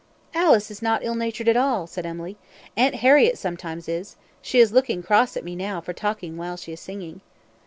"Alice is not ill natured at all," said Emily. "Aunt Harriett sometimes is. She is looking cross at me now for talking while she is singing."